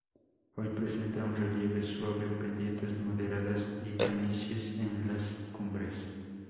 Hoy presenta un relieve suave, pendientes moderadas y planicies en las cumbres.